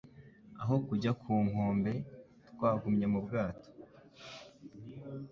Aho kujya ku nkombe, twagumye mu bwato.